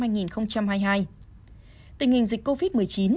tình hình dịch covid một mươi chín